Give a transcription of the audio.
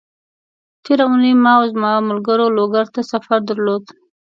تېره اونۍ ما او زما ملګرو لوګر ته سفر درلود،